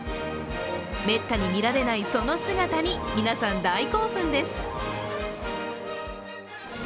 めったに見られないその姿に皆さん、大興奮です。